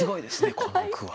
この句は。